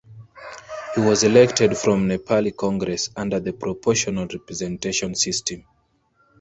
He was elected from Nepali Congress under the proportional representation system.